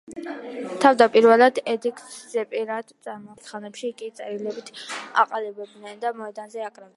თავდაპირველად ედიქტს ზეპირად წარმოთქვამდნენ, შემდეგ ხანებში კი წერილობით აყალიბებდნენ და მოედანზე აკრავდნენ.